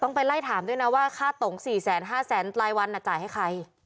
ต้องไปไล่ถามด้วยนะว่าค่าตุ๋ง๔แสน๕แสนไตล์วันจ่ายให้ใคร